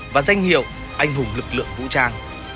và danh hiệu anh hùng lực lượng vũ trang